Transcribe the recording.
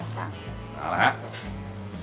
เอาละฮะ